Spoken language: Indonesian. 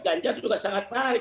ganjar juga sangat menarik